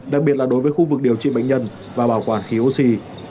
đặc biệt là đối với khu vực điều trị bệnh nhân và bảo quản khí oxy